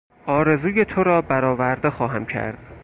آرزوی تو را بر آورده خواهم کرد.